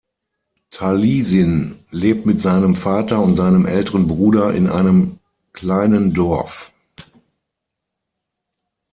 Taliesin lebt mit seinem Vater und seinem älteren Bruder in einem kleinen Dorf.